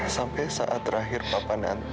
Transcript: sampai saat terakhir papa nanti